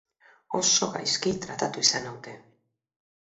Oso gaizki tratatu izan naute.